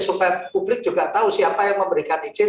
supaya publik juga tahu siapa yang memberikan izin